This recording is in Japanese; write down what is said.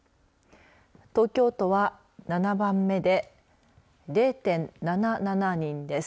東京都は、７番目で０．７７人です。